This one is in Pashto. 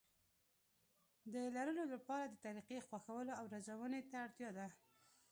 د لرلو لپاره د طريقې خوښولو او روزنې ته اړتيا ده.